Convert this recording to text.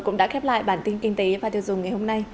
cũng đã khép lại bản tin kinh tế và tiêu dùng ngày hôm nay